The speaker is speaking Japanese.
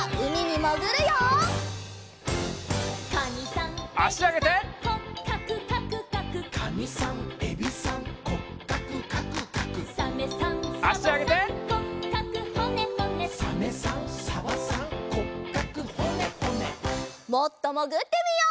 もっともぐってみよう。